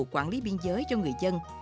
quản lý biên giới cho người dân